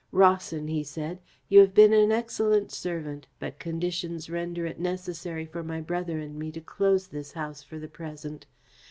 'Rawson,' he said, 'you have been an excellent servant, but conditions render it necessary for my brother and me to close this house for the present.